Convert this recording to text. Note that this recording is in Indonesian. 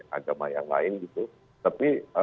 agama yang lain gitu tapi